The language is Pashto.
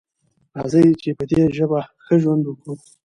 راځئ چې په دې ژبه ښه ژوند وکړو.